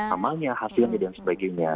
samanya hasilnya dan sebagainya